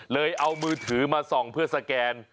เอามือถือมาส่องเพื่อสแกน